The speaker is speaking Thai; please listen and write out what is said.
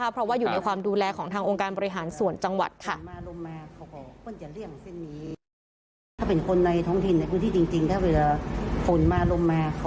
เพราะว่าอยู่ในความดูแลของทางองค์การบริหารส่วนจังหวัดค่ะ